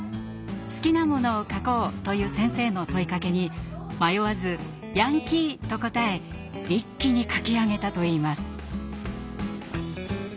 「好きなものを書こう」という先生の問いかけに迷わず「ヤンキー！」と答え一気に書き上げたといいます。